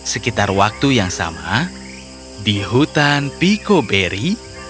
sekitar waktu yang sama di hutan pico berry